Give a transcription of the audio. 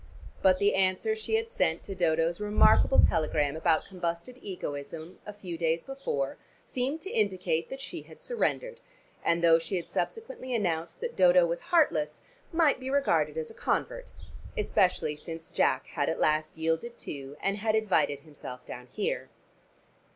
But the answer she had sent to Dodo's remarkable telegram about combusted egoism a few days before seemed to indicate that she had surrendered and, though she had subsequently announced that Dodo was heartless, might be regarded as a convert, especially since Jack had at last yielded too, and had invited himself down here.